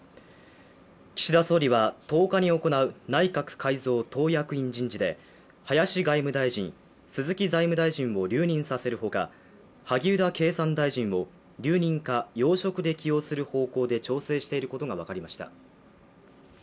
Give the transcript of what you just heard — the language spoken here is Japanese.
岸田総理は１０日に行う内閣改造・党役員人事で林外務大臣、鈴木財務大臣を留任させるほか萩生田経産大臣を留任か要職で起用する方向で調整していることが分かりました。